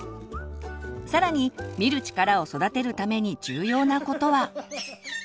更に「見る力」を育てるために重要なことは。